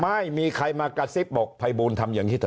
ไม่มีใครมากระซิบบอกภัยบูลทำอย่างนี้เถ